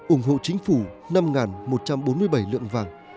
ủng hộ chính phủ năm một trăm bốn mươi bảy lượng vàng